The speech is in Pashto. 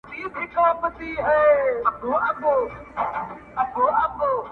نه د ژړا نه د خندا خاوند دی.